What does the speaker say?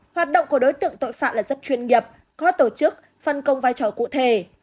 hoạt động của đối tượng tội phạm là rất chuyên nghiệp có tổ chức phân công vai trò cụ thể